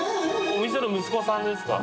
お店の息子さんですか？